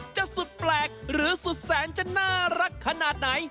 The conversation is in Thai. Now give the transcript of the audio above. สุดแปลกหรือสุดแสนจะน่ารักขนาดไหน